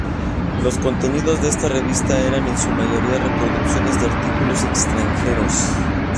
Los contenidos de esta revista eran, en su mayoría, reproducciones de artículos extranjeros.